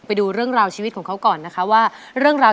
ไปดูเรื่องราวชีวิตของเขาก่อนนะคะว่า